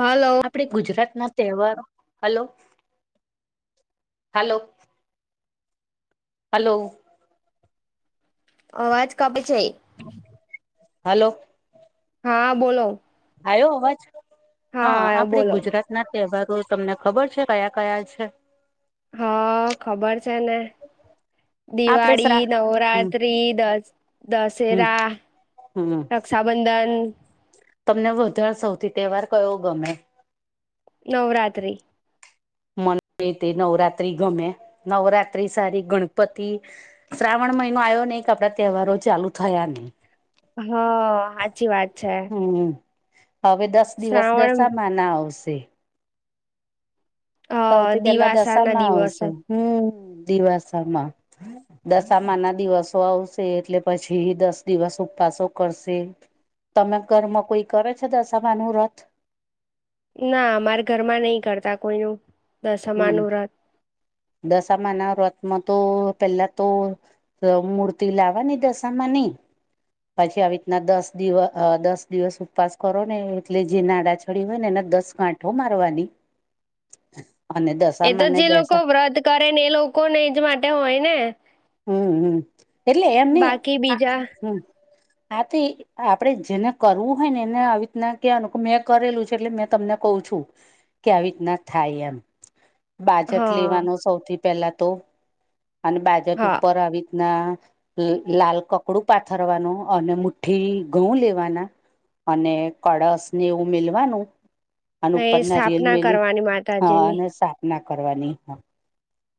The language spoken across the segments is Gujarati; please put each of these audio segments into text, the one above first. હલો ગુજરાતના તહેવારો હલો. Hello hello. અવાજ કાપે છે. હાલો હા બોલો. આયો અવાજ, હા આપડે ગુજરાત ના તહેવારો તમને ખબર છે કયા કયા છે? હા ખબર છે ને આપડે શ્રા દિવાળી, હમ નવરાત્રી, દસ દશેરા હમ્મ. રક્ષાબંધન તમને વધારે સૌથી તહેવાર કયો ગમે? નવરાત્રિ. તે નવરાત્ર્રી ગમે નવરાત્રી સારી ગણપતિ શ્રાવણ મહિનો આવ્યો નહીં કે આપડા તહેવારો ચાલુ થયા નહીં. હા હાચી વાત છે. હમ્મ હવે દસ દિવસ શ્રાવણ દસાામાં ના આવશે. અ સૌથી પેલા દિવાસા ના દશામાં દિવસો આવશે હમ્મ દિવાસમાં દશામા ના દિવસો આવશે એટલે પછી દસ દિવસ ઉપવાસો કરશે. તમે ઘરમાં કોઈ કરે છે દસામા નું વ્રત? ના અમારા ઘરમાં નહી કરતા કોઈ ન દસમા હમ નું વ્રત. દશામા ના વ્રથમાં તો પેલા તો. તો મૂર્તિ લાવવાની દશામાં ની. પછી આવી રીતના દસ દિવસ દસ દિવસ ઉપવાસ કરો ને એટલે જે નાડા ચડી હોય ને એના દસ કાંઠ. તો મારવાની. અને એ તો દશામાંને જે લોકો બેસા વ્રત કરે ને એ લોકોને એજ માટે હોય ને. હમ્મ હમ્મ એટલે એમની બાકી આ બીજા હમ્મ આથી. આપડે જેને કરવું હોય ને એને આવી રીતના કહેવાનું કે મેં કરેલું છે એટલે મેં તમને કઉ છું. કે આવી રીતના થાય એમ. બાજટ હા લેવાનો સૌથી પેલા તો અને બાજટ હા ઉપર આવી રીતના લાલ કપડું પાથરવાનું અને મુઠ્ઠી ઘઉં લેવાના. અને કળશ ને એવું મિલવાનું. અને એ ઉપરના રિયલ સ્થાપના મેલી કરવાની હા માતાજીની અને સ્થાપના કરવાની હ.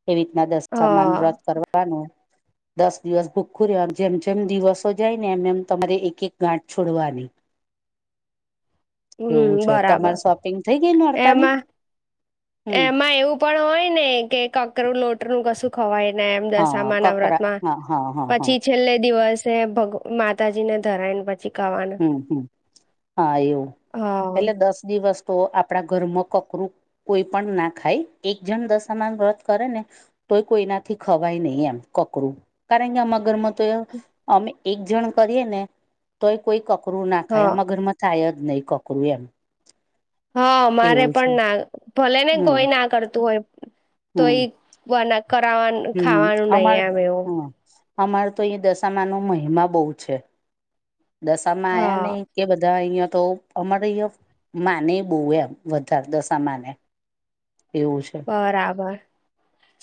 એવી રીતના દસ્માન હા વ્રત કરવાનું. દસ દિવસ ભૂખું રહે જેમ દિવસો જાય ને એમ એમ તમારે એક એક છોડવાની. હમ્મ એવું છે બરાબર તમારે શોપિંગ થઈ ગઈ નોરતાની એમાં. હમ એમાં એવું પણ હોય ને કે કકરું લોટ. નું કશું ખવાય ને એમ હા દશામાં નવરાત કકરા માં હા હા હા હા પછી છેલ્લે દિવસે ભગ માતાજીને ધરાયને પછી. ખાવાનું હમ્મ હમ્મ હા એવું હા પેલે દસ દિવસ તો આપણા ઘરમાં કકરું કોઈ પણ ના ખાય એક જણ દશામાં વ્રત કરે ને. તોય કોઈનાથી ખવાય નહીં એમ કકરું કારણ કે આમ ઘરમાં તો એ. અમે એક જણ કરીએ ને. તોય કોઈ કકરું ના ખાય હા આમાં ઘરમાં થાય જ નહીં કકરું એમ. હા મારે એવું છે પણ ના ભલે ને કોઈ હમ ના કરતું હોય. તો હમ એ કર હમ ખાવાનું અમાર નહી તો આમ એવું. હમ અમારે તો અહી દશામા ન મહિમા બહુ છે દશામાં આયા નહ. હા એ બધા અહંયા તો અમારે અહં માને બહુ એમ વધારે દશામાંને. એવું છે. બરાબર.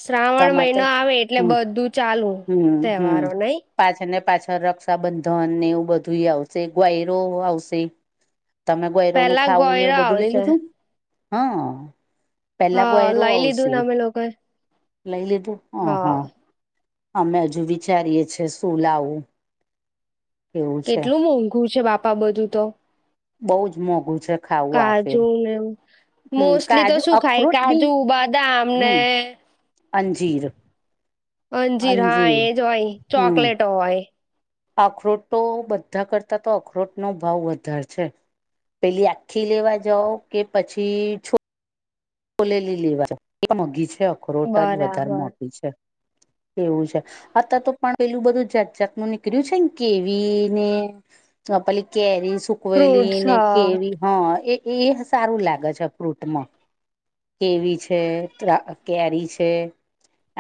શ્રાવણ તમારે મહિનો તઈ આવે એટલે હમ બધું ચાલુ હમ હમ તહેવારો નઈ. પાછળ ને પાછળ રક્ષાબંધનને એવું બધું આવશે ગ્વાયરો આવશે. તમે ગયરો નું પેલા ખાવું ને એવું ગોયરા બધું લઈ આવશે લીધું હા. પેલા હા ગયરો લઈ લીધું આવશે ને અમે લોકોએ લઈ લીધું. હા. અમે હજુ વિચારીએે છીએ શું લાવું. એવું છે કેટલું મોંઘું છે, બાપા બધું તો. બઉ જ મોંઘુ છે. ખાવું આ ફેર કાજુ ને એવું હમ મોસ્ટલી તો કાજુ શું ખાય અખરોટ બી કાજુ બદામને હમ અંજીર અંજીર હા એજ હોય, હમ ચોકલેટ હોય. અખરોટ તો, બધા કરતા તો અખરોટ નો ભાવ વધારે છે. પેલી આખી લેવા જાવ કે પછી છો ખોલેલી લેવા જાવ એ પણ મોંઘી છે, અખરોટ જ વધારે બરાબર મોંઘી છે એવું છે. અત્યારે તો પણ પેલું બધું જાત જાત નીકળ્યું છે ને કેવી ને પેલી કેરી સુકવેલી ફ્રૂટ્સ ને હા કેવી હા એ સારું લાગે છે ફ્રૂટમાં. કેવી છે, [inaudible] કેરી છે.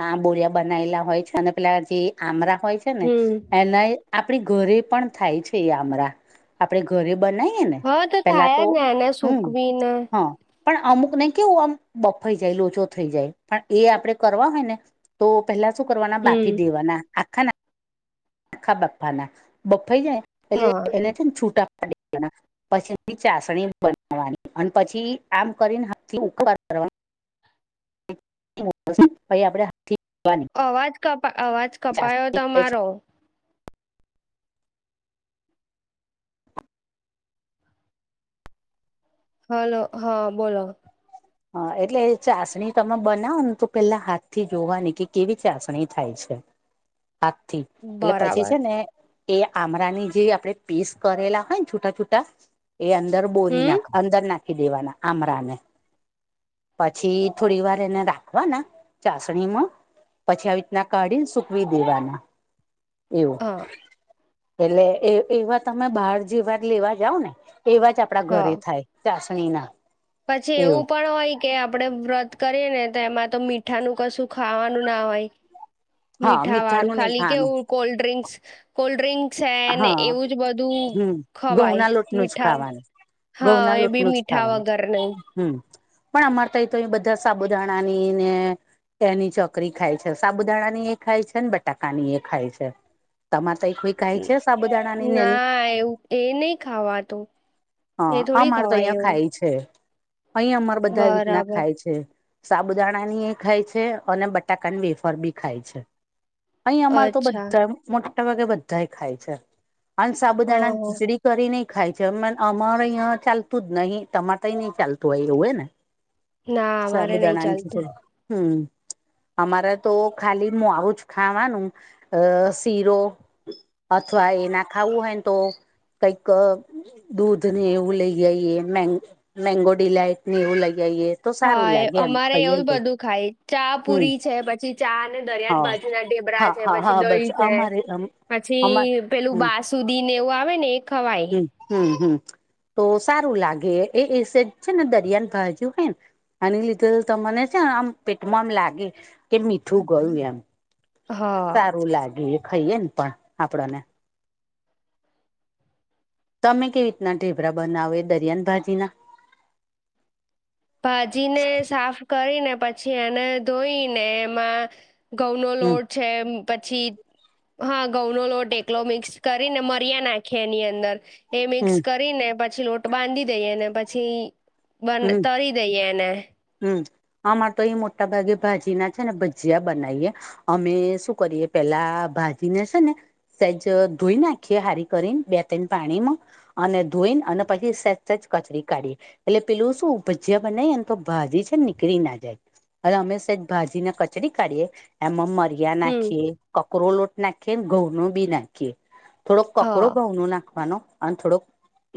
આબોળિયા બનાવેલા હોય છે અને પેલા જે આમળા હોય છે ને હમ એના આપણા ઘરે પણ થાય છે એ આમળા આપણે ઘરે બનાવીએ ને હા પેલા થાય તો જ ને એને હમ સૂકવીને હા. પણ અમુકને કેવું આમ બફાઈ જાય, લોચો થઈ જાય પણ એ આપણે કરવા હોય ને. તો પેલા શું કરવાના હમ બાફી દેવાના આખા આખા બાફવાના, બફાઈ જાય હા એટલે એને છે ને છૂટા પાડી દેવાના. પછી એની ચાસણી બનાવવાની અને પછી આમ કરીને હાથથી [inaudible] કરવા. [inaudible] અવાજ કપાયો ચાસણી થાય છે તમારો. હેલો હા બોલો. હ એટલે ચાસણી તમે બનાવોને તો પેલા હાથથી જોવાની કે કેવી ચાસણી થાય છે. [unintelligible] હાથ થી એટલે પછી બરાબર છે ને એ આમળની જે આપણે પીસ કરેલા હોય ને છૂટા છૂટા એ અંદર બોરી હમ નાખવાના, અંદર નાખી દેવાના આમરા ને પછી થોડી વાર એને રાખવાના ચાસણીમાં પછી આવી રીતના કાઢીને સુકવી દેવાના હા એવું. એટલે એ એવા તમે બહાર જેવા લેવા જાવ ને એવા જ આપણા હા ઘરે થાય. ચાસણીમાં પછી એવું પણ હોય કે આપણે વ્રત કરીએ ને તો એમાં તો મીઠાનું કશું ખાવાનું ના હોય. હા મીઠાવાળું મીઠાનું નહી ખાલી ખાવાનું કેવું કોલ્ડડ્રિંક્સ કોલ્ડડ્રિંક્સ છે ને હા એવું જ બધું હમ ઘઉં ખવાય ના લોટનું જ મીઠા ખાવાનું ઘઉં હા ના એ પણ લોટનું જ મીઠા ખાવાનું વગર નહી. હમ પણ અમારે તો એ તો અ બધા સાબુદાણાની ને એની ચકરી ખાય છે, સાબુદાણા ની એ ખાય છે ને બટાકા ની એ ખાય છે. તમારે [inaudible] સાબુદાણાની ને એની ના એવું એ નહીં ખાવાતું. હા એ થોડી આમારે તો ખવાય અહિયાં એવું ખાય છે, અહીંયા અમારે બધા રીતના બરાબર ખાય છે. સાબુદાણાની પણ ખાય છે અને બટાકાની વેફર પણ ખાય છે. અહીં અમારે તો અચ્છા બધા મોટા ભાગે ખાય છે. અને સાબુદાણાની ઓહો ખીચડી કરી ને ખાય છે અમારે અહીં ચાલતું જ નહી તમારે તો ચાલતું હોય એવું હ ને [inaudible] અમારે નહી સાબુદાણાની ચાલતું ખીચડી હમ્મ. અમારે તો ખાલી મું આવું જ ખાવાનું અ શીરો અથવા એ ના ખાવું હોય ને તો કઈક દૂધ ને એવું લઈ આઈએ મેં-મેંગો ડીલાઈટને એવું લઈ આઈએ. તો સારું હા એ લાગે એમ અમારે ખાઈએ એવું ને તો બધું ખાય, હમ ચા-પુરી છે પછી ચાને દરિયાન હા ભા જીના ઢેબરા હા છે હા પછી હા બસ દહી છે. અમારે અમા પછી પેલું હમ બાસુદીને એવું આવે ને એ ખવાય. હમ્મ હમ્મ તો સારું લાગે એ એ સેજ છે ને દરિયાન ભાજી હોય આની લીધે તમને છે ને આમ પેટમાં આમ લાગે કે મીઠું ગયું એમ. હા સારું લાગે એ ખાઈએને પણ આપણને તમે કેવી રીતના ઢેભરા બનાવે દરિયાન ભાજીના ભાજીને સાફ કરીને પછી એને ધોઈને એમાં ઘઉંનો હમ લોટ છે પછી હા ઘઉંનો લોટ એકલો મિક્સ કરીને મરીયા નાખીએ એની અંદર. એ મિક્સ હમ કરીને પછી લોટ બાંધી દઈ અને પછી બંદ કરી દઈએ એને. હમ્મ આમારે તો એ મોટા ભાગે ભાજીના છે ને ભજીયા બનાઈએ. અમે શું કરીએ પેલા ભાજીને છે ને સેજ ધોઈ નાખીએ હારી કરીન બે-ત્રણ પાણીમાં અને ધોઈને અને પહી સેજ-સેજ કચરી કાઢીએ એટલે પેલું શું ભજીયા બનાઇએને તો ભાજી છે ને નીકળી ના જાય. [unintelligible] અમે સેજ ભાજીને કચરી કાઢીએ એમાં મરી યા હમ નાખીએ, કકરો લોટ નાખીએ ને ઘઉંનો બી નાખીએ. થોડોક કોકરો હા ઘઉંનો નાખવાનો અને થોડોક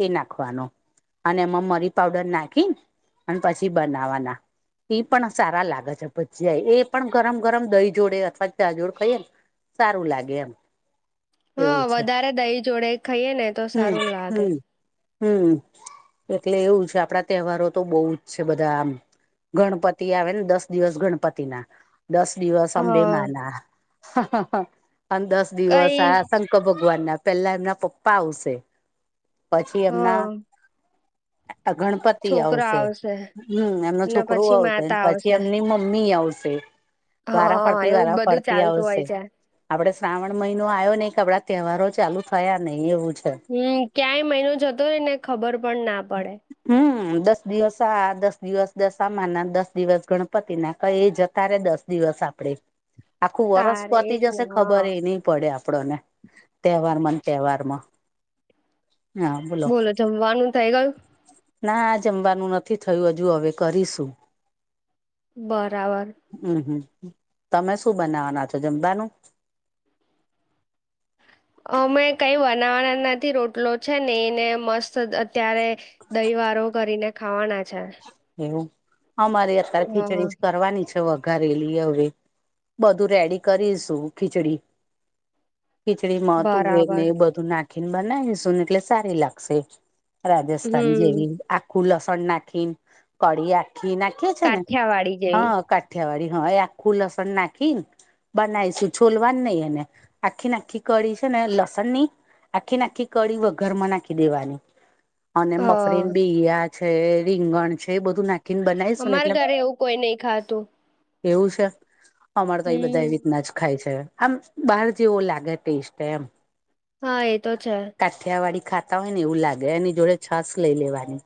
એ નાખવાનો અને એમાં મરી પાવડર ના ખી અને પછી બનાવાના. ઈ પણ સારા લાગ છ ભજીયા એ પણ ગરમ-ગરમ દહી જોડે અથવા ચા જોડ ખઈએને સારું લાગે એમ. હા, એવું છે વધારે દહી જોડે ખઈએ ને તો સારું લાગે. હમ્મ એટલે એવું છે આપડા તેહવારો તો બહુ જ છે બધા આમ, ગણપતિ આવે ને દસ દિવસ ગણપતિના, દસ દિવસ અંબે હા માંના અને દસ દિવસ આ કઈ શંક્ ર ભગવાનના પહેલા એમના પપ્પા આવશે પછી એમના, હા આ ગણપ તિ આવશે હમ્મ એમનો અને છોકરો પછી આવશે, માતા પછી આવશે એમની મમ્મી આવશે. વારા હા ફરતી, એવું જ વારા બધું ફરતી ચાલતું હોય આવશે. છે આપડે શ્રાવણ મહિનો આવ્યો નહીં કે આપડા તહેવારો ચાલુ થયા નહી એવું જ. હમ્મ ક્યાંય મહિનો જતો રહે ને ખબર પણ ના પડે. હમ્મ. દસ દિવસ, આ દસ દિવસ દસામાં ના, દસ દિવસ ગણપતિ ના, કઈએ જતા રે દસ દિવસ આપડે આખું વરષ તારે પતી એજ ને જશે હા ખબર એ નહીં પડે આપડોને તહેવારમાને તહેવારમાં, હા બોલો. જમવાનું થઇ ગયું. ના, જમવાનું નથી થયું હજુ હવે કરીશું. બરાબર. હમ્મ હમ્મ તમે શું બનાવવાના છો જમવાનું. અમે કઈ બનાવવાના નથી રોટલો છે એને મસ્ત અત્યારે દહીવાળો કરીને ખાવાના છે. એવું અમારે અત્યારે હા ખીચડી જ કરવાની છે હવ વઘારેલી [unintelligible] બધું રેડી કરીશું ખીચડી. ખીચડીમાં તુવેર ને બરાબર એ બધું નાખીને બનાવીશું ને એટલે સારી લાગશે. રાજસ્થાન હમ જેવી આખું લસણ નાખી ન. કઢી આખી નાખીએ છીએ ને કાઠિયાવાડી જેવી હા કાઠિયાવાડી હા એ આખું લસણ નાખી ન, બનાઈશું છોલવાનું નહી એને આખી ન આખી કળી છે ને લસણની આખીને આખી ન આખી કળી વઘારમાં નાખી દેવાની. અને મગફળી ન હા બીયા છે, રીંગણ છે એ બધું નાખ અમાર ઘરે એવું કોઈ નહી ખાતું. એવું છે, અમાર તો એ બધા એ હમ રીતના જ ખાય છે. આમ, બાહર જેવો લાગે ટેસ્ટ એમ. હા એ તો છે. કાઠિયાવાડી ખાતા હોય ને એવું લાગે એની જોડે છાશ લઈ લેવાની.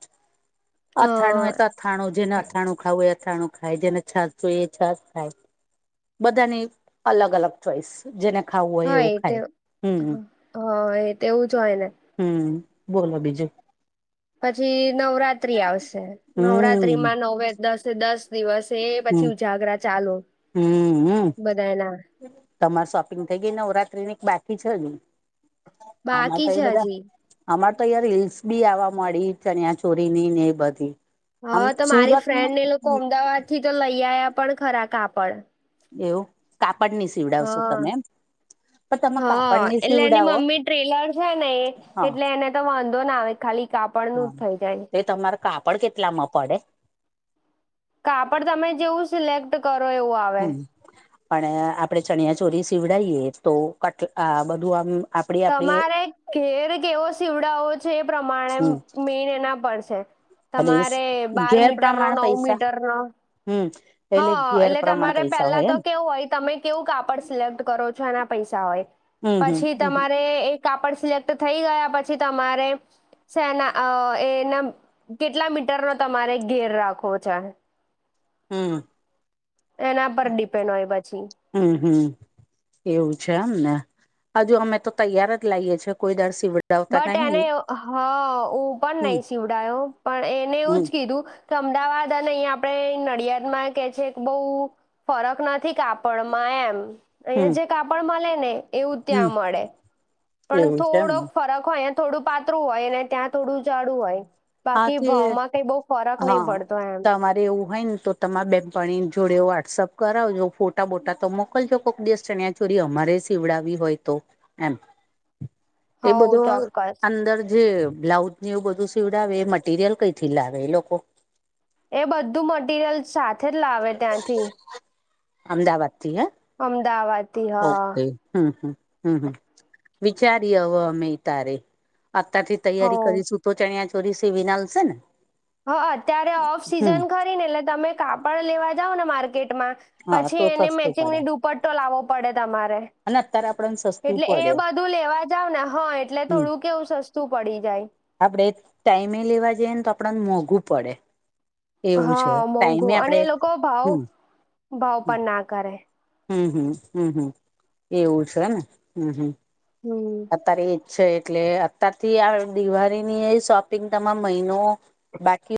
હા અથાણું એ તો અથાણું જેને અથાણું ખાવું એ અથાણું ખાય, જેને છાસ જોઇએ એ છાસ ખાય. બધાની અલગ અલગ. ચોઇસ જેને ખાવું હોય હા એવું એ તે ખાય હમ્મ. હા એ તેવું જ હોય ને હમ્મ બોલો બીજું. પછી નવરાત્રી આવશે હમ નવરાત્રીમાં નવે દસે દસ દિવસ તે પછી હમ ઉજાગરા ચાલુ હમ બધાય ના. તમાર શોપિંગ થઈ ગઈ નવરાત્રીની કે બાકી છે હજુ. હમારે બાકી તો એ છે બધા હજી અમારે તો યાર રીલ્સ બી આવા માંડી ચણિયા ચોરીની ને એ બધી. આમ હા તો મારી સુરતમાં ફ્રેન્ડ ને લોકો અમદાવાદથી તો લઈ આયા પણ ખરા કાપડ. એવું કાપડની સીવડાવશો હા તમે એમ. પણ તમે હા કાપડની એટલે એની સીવડાવો મમ્મી ટ્રેલર છે ને એ હા એટલે એને તો વાંધો ના આવે ખાલી કાપડનું જ થઈ જાય. પણ કેટલામાં પડે? કાપડ તમે જેવું સિલેક્ટ કરો એવું આવે. હમ પણ આપણે ચણિયા ચોરી સીવડાયએ તો કટ આ બધું આમ આપડી આપડી તમારે ઘેર કેવો સીવડાવો છે એ પ્રમાણે હમ મેળના પડશે. ઘેર પ્રમાણ પૈસા. મીટરનો હા ઘેર એટલે પ્રમાણ તમારે પૈસા પેલા હોય તો એમ કેવું હોય તમે કેવું કાપડ સિલેક્ટ કરો છો એના પૈસા હોય. હમ હમ પછી હમ તમારે એ કાપડ સિલેક્ટ થઈ ગયા પછી તમારે છે ન અ એના કેટલા મીટરનો તમારે ઘેર રાખવો છે. હમ્મ. એના પર ડિપેન્ડ હોય પછી. હમ્મ હમ્મ. એવું છે એમને હજુ અમે તો તૈયાર જ લાઈએ છીએ કોઈ દાડ સિવડ બટ એને હ હું પણ હમ નહી સીવડાયો પણ એને એવું હમ જ કીધું. અમદાવાદ અને અહીંયા આપણે નડિયાદમાં કે છે કે બુ ફરક નથી કાપડમાં એમ, હમ અહીયાં જે કાપડ મલે ને એવું હમ ત્યાં મળે. પણ એવું છે થોડોક એમને ફરક હોયં અયા થોડું પાતરું હોય ને ત્યાં થોડું જાડું હોય. બાકી આથી ભાવમાં કઈ બહુ ફરક નહી હા પડતો એમ તમારે એવું હોય ને તો તમા બેનપણી જોડે વોટ્સઅપ કરાવજો ફોટા બોટા તો મોકલજો કોઈક દિવસ ચણ્યા ચોરી અમારે સીવડાવી હોય તો એમ [unintelligible] એ બધો ચોક્કસ અંદર જે બ્લાઉઝની એવું બધું સીવ આવે એ મટીરિયલ કઈ થી લાવે એ લોકો એ બધું મટરિયલ સાથે જ લાવે ત્યાંથી અમદાવાદથી હે અમદાવાદ થી હા ઓકે હમ હમ હમ હમ વિચારી હમે તારે અતાર થી તૈયારી હોવ કરીશું તો ચણિયા ચોરી સીવિને આલશે ને હ અત્યારે ઓફ હમ સિઝન ખરી ને એટલે તમે કાપડ લેવા જાવ ને માર્કેટમાં હા પછી તો એની સસ્તું પડે મેચિંગની દુપટ્ટો લાવવો પડે તમારે અને અત્યારે આપણને સસ્તું એટલે પડે એ બધું લેવા જાવ ને હ એટલે હમ થોડું કેવું સસ્તું. તું પડી જાય. આપડે ટાઈમે લેવા જઈએને તો આપડાને મોંઘું પડે. એવું છે હા ટાઈમે મોંઘું અને આપડે એ લોકો ભાવ હમ ભાવ પણ ના કરે હમ હમ હમ હમ એવું છે ને હમ હમ હમ અત્યારે ઈચ્છા એટલે અતારથી આ દિવાળીની શોપિંગ તમા મહીનો બાકી